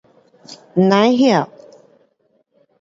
Nai hyo